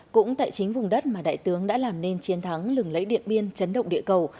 cũng tại chính vùng đất mà đại tướng đã làm nên chiến thắng lừng lấy điện biên chấn động địa cầu